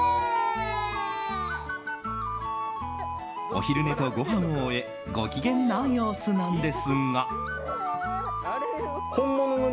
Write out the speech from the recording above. お昼寝とごはんを終えご機嫌な様子なんですが。